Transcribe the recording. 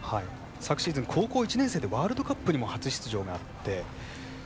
昨シーズン、高校１年生でワールドカップにも初出場があって。